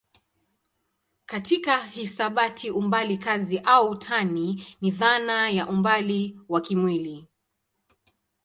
Katika hisabati umbali kazi au tani ni dhana ya umbali wa kimwili.